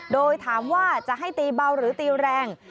โดยถามว่าจะให้ตีเบาหรือตีแรง